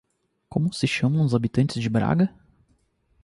Como se chamam os habitantes de Braga?